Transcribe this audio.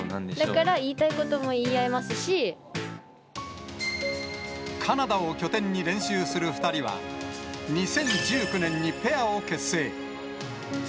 だから、言いたいことも言いカナダを拠点に練習する２人は、２０１９年にペアを結成。